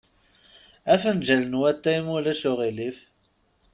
Afenǧal n watay, ma ulac aɣilif.